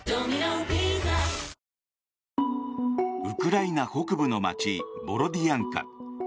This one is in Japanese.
ウクライナ北部の街ボロディアンカ。